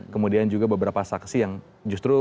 kemudian juga beberapa saksi yang justru